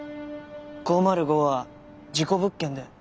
５０５は事故物件で。